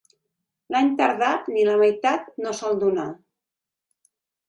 L'any tardà ni la meitat no sol donar.